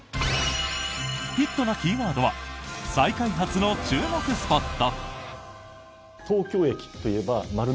ヒットなキーワードは再開発の注目スポット。